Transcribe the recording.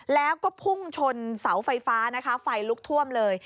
แล้วก็พุ่งชนเสาไฟฟ้านะคะไฟลุกท่วมเลย